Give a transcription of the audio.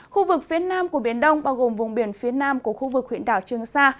khu vực phía nam của biển đông bao gồm vùng biển phía nam của khu vực huyện đảo trường sa